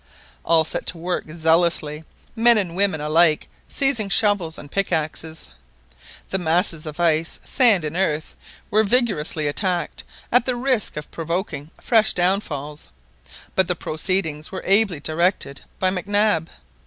All set to work zealously, men and women alike seizing shovels and pickaxes. The masses of ice, sand, and earth, were vigorously attacked at the risk of provoking fresh downfalls; but the proceedings were ably directed by Mac Nab.